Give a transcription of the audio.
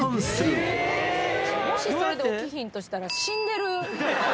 もしそれで起きひんとしたら、死んでる。